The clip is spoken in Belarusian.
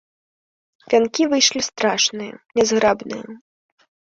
Вянкі выйшлі страшныя, нязграбныя.